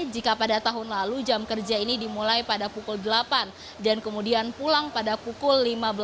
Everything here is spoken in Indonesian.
jika pada tahun lalu jam kerja ini dimulai pada pukul delapan dan kemudian pulang pada pukul lima belas